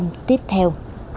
năm tiếp theo